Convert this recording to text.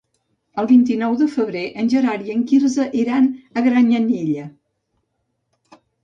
El vint-i-nou de febrer en Gerard i en Quirze iran a Granyanella.